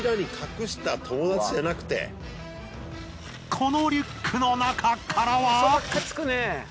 このリュックの中からは。